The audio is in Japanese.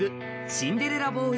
「シンデレラボーイ」。